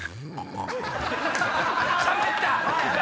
しゃべった！